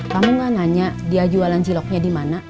kamu gak nanya dia jualan ciloknya dimana